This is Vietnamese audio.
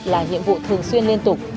là nhiệm vụ thường xuyên liên tục